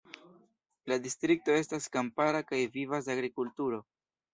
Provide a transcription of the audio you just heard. La distrikto estas kampara kaj vivas de agrikulturo.